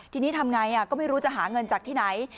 ทีนี้ทำไงก็ไม่รู้จะหาเงินจากที่ไหน